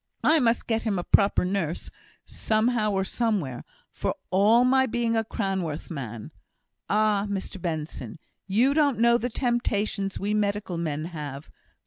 I must get him a proper nurse, somehow or somewhere, for all my being a Cranworth man. Ah, Mr Benson! you don't know the temptations we medical men have.